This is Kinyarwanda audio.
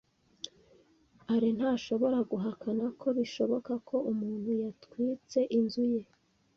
Alain ntashobora guhakana ko bishoboka ko umuntu yatwitse inzu ye.